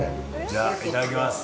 じゃあ、いただきます。